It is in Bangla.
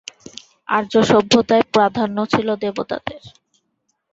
আর্য সভ্যতায় প্রাধান্য ছিল দেবতাদের।